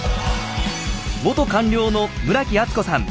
元官僚の村木厚子さん。